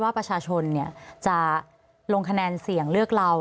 ประชาชนจะลงคะแนนเสี่ยงเลือกเรา